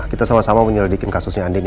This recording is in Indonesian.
kita sama sama menyelidikin kasusnya andin ini